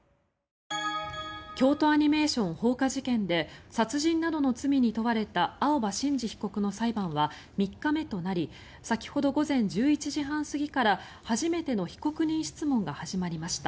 京都アニメーション放火事件で殺人などの罪に問われた青葉真司被告の裁判は３日目となり先ほど午前１１時半過ぎから初めての被告人質問が始まりました。